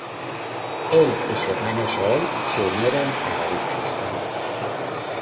Él y su hermano Joel se unieron a El Sistema.